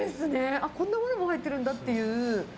あっ、こんなものも入ってるんだっていう。